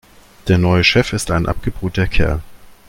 Der neue Chef ist ein abgebrühter Kerl.